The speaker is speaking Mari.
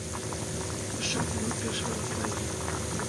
— Тӱсшат мо пеш вара сайже.